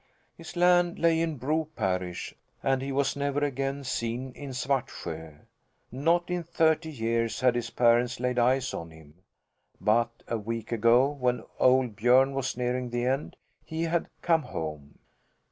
His land lay in Bro parish, and he was never again seen in Svartsjö. Not in thirty years had his parents laid eyes on him. But a week ago, when old Björn was nearing the end, he had come home.